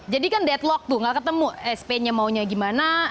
jadi kan deadlock tuh tidak ketemu sp nya maunya bagaimana